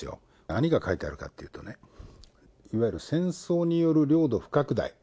何が書いてあるかっていうとね、いわゆる戦争による領土不拡大。